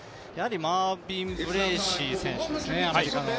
マービン・ブレーシー選手ですね、アメリカの。